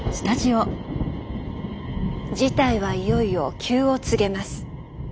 事態はいよいよ急を告げます。